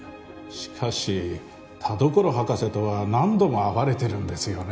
しかし田所博士とは何度も会われてるんですよね？